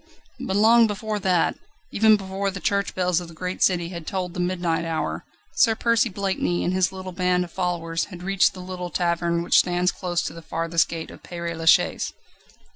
But long before that, even before the church bells of the great city had tolled the midnight hour, Sir Percy Blakeney and his little band of followers had reached the little tavern which stands close to the farthest gate of Père Lachaise.